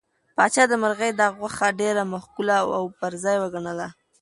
پاچا د مرغۍ دا غوښتنه ډېره معقوله او پر ځای وګڼله.